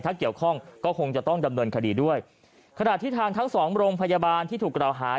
ถ้าเกี่ยวข้องก็คงจะต้องดำเนินคดีด้วยขณะที่ทางทั้งสองโรงพยาบาลที่ถูกกล่าวหา